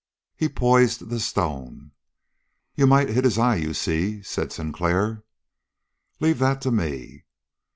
He poised the stone. "You might hit his eye, you see," said Sinclair. "Leave that to me!"